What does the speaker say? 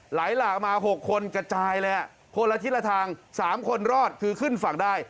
หลากมา๖คนกระจายเลยคนละทิศละทาง๓คนรอดคือขึ้นฝั่งได้